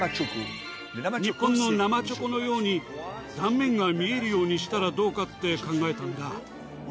日本の生チョコのように断面が見えるようにしたらどうかって考えたんだ。